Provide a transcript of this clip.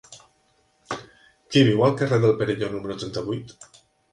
Qui viu al carrer del Perelló número trenta-vuit?